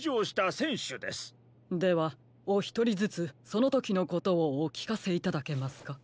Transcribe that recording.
ではおひとりずつそのときのことをおきかせいただけますか？